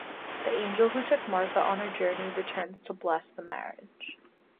The angel who took Martha on her journey returns to bless the marriage.